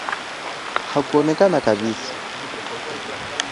Hakuonekana kabisa